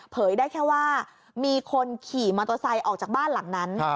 ได้แค่ว่ามีคนขี่มอเตอร์ไซค์ออกจากบ้านหลังนั้น